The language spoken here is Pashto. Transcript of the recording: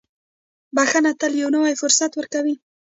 • بښنه تل یو نوی فرصت ورکوي.